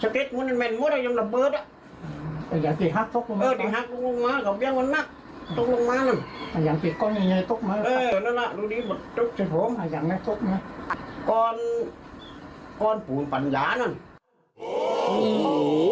จะทำให้อย่างแรกที่